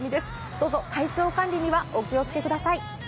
どうぞ、体調管理にはお気をつけください。